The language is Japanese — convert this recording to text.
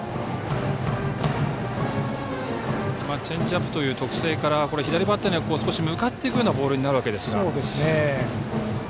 チェンジアップという特性から左バッターには少し向かっていくようなボールになるわけですか。